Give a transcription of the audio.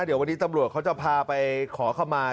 เดี๋ยววันนี้ตำรวจเขาจะพาไปขอขมา